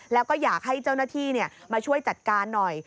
แล้วก็อยากให้เจ้าหน้าที่มาช่วยจัดการหน่อย